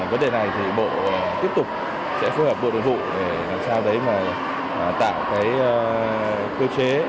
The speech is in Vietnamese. vấn đề này bộ tiếp tục sẽ phối hợp bộ đội hữu để làm sao để tạo cơ chế